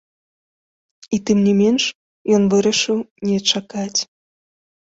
І, тым не менш, ён вырашыў не чакаць.